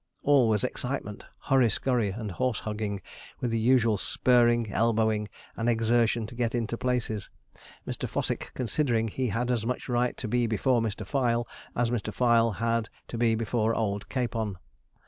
All was excitement, hurry scurry, and horse hugging, with the usual spurring, elbowing, and exertion to get into places, Mr. Fossick considering he had as much right to be before Mr. Fyle as Mr. Fyle had to be before old Capon.